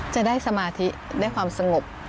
จะได้สมาธิได้ความสงบ